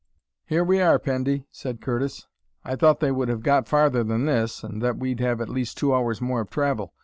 "Here we are, Pendy!" said Curtis. "I thought they would have got farther than this, and that we'd have at least two hours more of travel.